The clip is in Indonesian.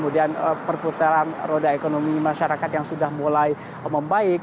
kemudian perputaran roda ekonomi masyarakat yang sudah mulai membaik